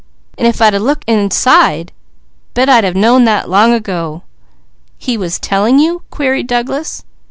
If I'd a looked inside, bet I'd have known that long ago." "He was telling you?" queried Douglas.